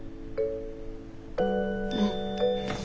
うん。